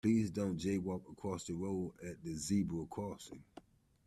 Please don't jay-walk: cross the road at the zebra crossing